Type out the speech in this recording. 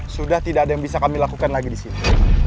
sudah tidak ada yang bisa kami lakukan lagi disini